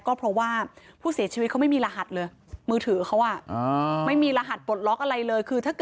ก็เพราะว่าผู้เสียชีวิตเขามือถือไม่มีรหัสอะไรเลย